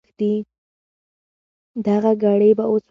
دغه ګړې به اوس ولیکل سي.